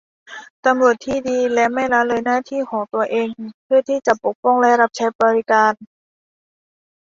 ตำรวจที่ดีจะไม่ละเลยหน้าที่ของตัวเองเพื่อที่จะปกป้องและรับใช้บริการ